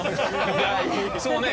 そうね。